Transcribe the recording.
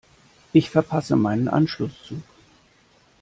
Ich verpasse meinen Anschlusszug.